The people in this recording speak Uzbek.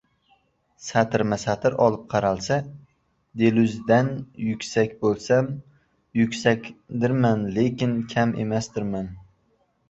— Satrma-satr olib qaralsa, Deluzdan yuksak bo‘lsam yuksakdirman, lekin kam emasdirman.